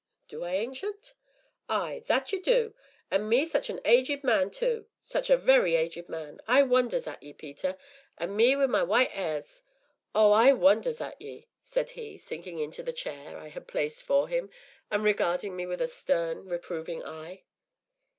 "Do I, Ancient?" "Ay that ye du, an' me such a aged man tu such a very aged man. I wonders at ye, Peter, an' me wi' my white 'airs oh, I wonders at ye!" said he, sinking into the chair I had placed for him and regarding me with a stern, reproving eye.